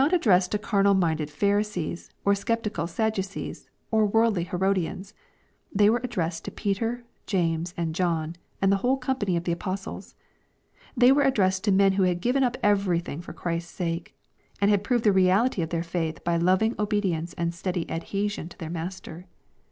XXI. 383 addressed io carnal minded Pharisees, or sceptical Sad ducees, or worldly Herodians. They were addressed to Peter, James, and John, and the whole company of the Apostles. They were addressed to men who had given up everything for Christ's sake, and had proved the reality of their faith by loving obedience and steady adhesion to their Master.